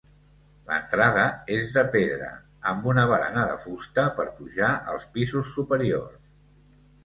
L'entrada és de pedra, amb una barana de fusta per pujar als pisos superiors.